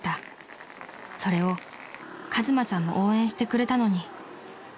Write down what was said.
［それを和真さんも応援してくれたのに］